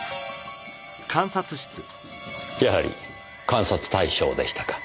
やはり監察対象でしたか。